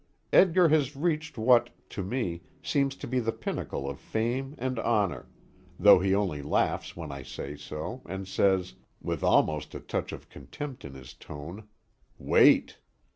Edgar has reached what, to me, seems the pinnacle of fame and honor though he only laughs when I say so, and says, with almost a touch of contempt in his tone "Wait!"